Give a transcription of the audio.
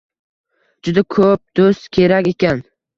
Juda koʻp doʻst kerak ekan